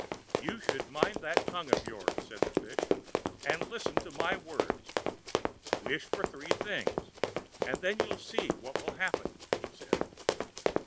"You should mind that tongue of yours," said the fish, "and listen to my words. Wish for three things, and then you'll see what will happen," he said.